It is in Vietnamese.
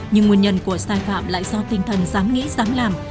nhưng nguồn nhân của sai phạm lại do tinh thần dám nghĩ dám làm